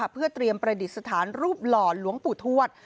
เพื่อเตรียมประดิษฐานรูปหล่อหลวงปู่ทวด